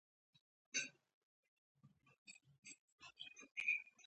هغه تر پايه خپل هوډ پياوړی او کلک وساته.